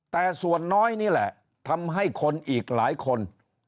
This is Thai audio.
แต่ส่วนน้อยนี่แหละทำให้คนอีกหลายคน